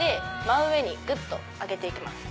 真上にぐっと上げて行きます。